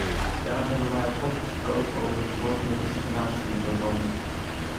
Daar hebben wij al kort gesproken over de zorgelijke situatie in dat land.